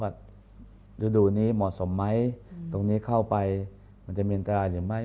ฤดูนี้เหมาะสมไหมตรงนี้เข้าไปมันจะมีอันตรายหรือไม่